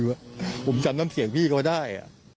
เหมือนพี่เขาเลยดิวะผมจำนำเสียงพี่เขาได้